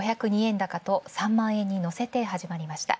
高と３万円にのせて始まりました。